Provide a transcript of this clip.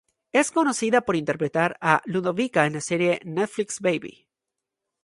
Es conocida por interpretar a Ludovica en la serie de Netflix "Baby".